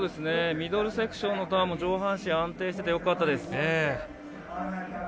ミドルセクションのターンも上半身安定していてよかったです。